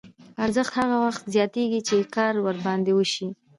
ارزښت هغه وخت زیاتېږي چې کار ورباندې وشي